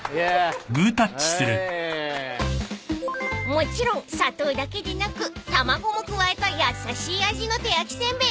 ［もちろん砂糖だけでなく卵も加えた優しい味の手焼き煎餅］